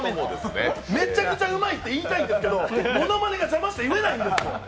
めちゃくちゃうまいって言いたいんですけど、モノマネが邪魔して言えないんですよ！